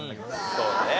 そうね。